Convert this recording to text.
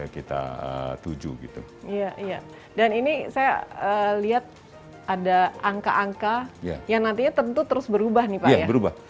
kita tuju gitu iya dan ini saya lihat ada angka angka yang nantinya tentu terus berubah nih